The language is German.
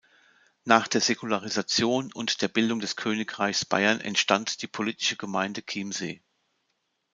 Nach der Säkularisation und der Bildung des Königreichs Bayern entstand die politische Gemeinde Chiemsee.